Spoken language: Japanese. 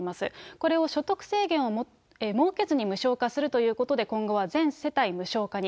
これを所得制限を設けずに無償化するということで、今後は全世帯無償化に。